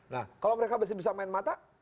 nah kalau mereka bisa main mata